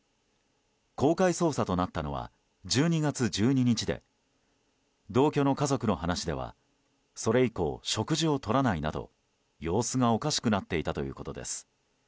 公開捜査となったのは１２月１２日で同居の家族の話ではそれ以降、食事をとらないなど様子がおかしくなっていたということです。